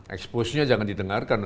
expose nya jangan didengarkan